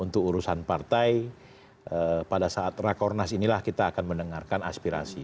untuk urusan partai pada saat rakornas inilah kita akan mendengarkan aspirasi